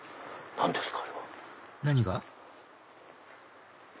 何ですか？